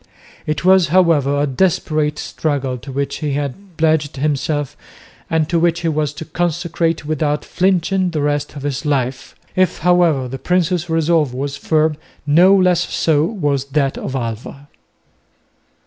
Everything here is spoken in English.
It was, however, a desperate struggle to which he had pledged himself, and to which he was to consecrate without flinching the rest of his life. If, however, the prince's resolve was firm, no less so was that of Alva.